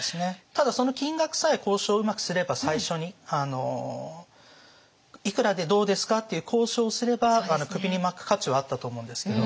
ただ金額さえ交渉をうまくすれば最初に「いくらでどうですか？」っていう交渉をすれば首に巻く価値はあったと思うんですけど。